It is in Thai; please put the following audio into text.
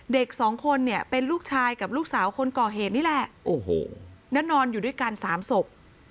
เด็กสองคนเนี่ยเป็นลูกชายกับลูกสาวคนก่อเหตุนี่แหละโอ้โหแล้วนอนอยู่ด้วยกันสามศพ